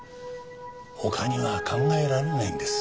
他には考えられないんです。